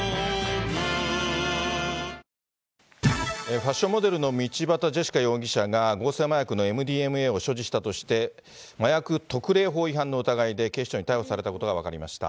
ファッションモデルの道端ジェシカ容疑者が、合成麻薬のＭＤＭＡを所持したとして、麻薬特例法違反の疑いで警視庁に逮捕されたことが分かりました。